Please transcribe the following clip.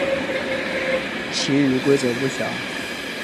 其余规则不详。